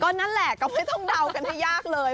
นั่นแหละก็ไม่ต้องเดากันให้ยากเลย